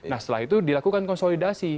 nah setelah itu dilakukan konsolidasi